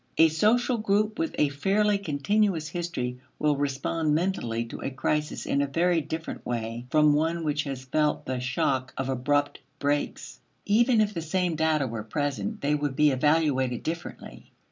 A social group with a fairly continuous history will respond mentally to a crisis in a very different way from one which has felt the shock of abrupt breaks. Even if the same data were present, they would be evaluated differently.